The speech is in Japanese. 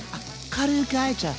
軽くあえちゃう。